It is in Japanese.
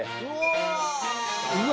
うわ！